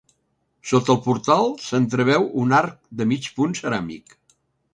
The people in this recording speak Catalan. Sota el portal s'entreveu un arc de mig punt ceràmic.